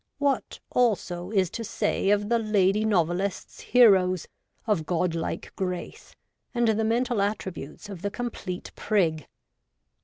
What, also, is to say of the lady novelists' heroes, of god like grace and the mental attributes of the complete prig